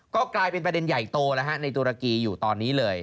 ก็กลายเป็นประเด็นใหญ่โตแล้วฮะในตุรกีอยู่ตอนนี้เลย